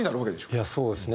いやそうですね。